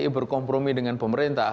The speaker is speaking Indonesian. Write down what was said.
hti berkompromi dengan pemerintah